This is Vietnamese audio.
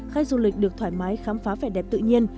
khách du lịch được thoải mái khám phá vẻ đẹp tự nhiên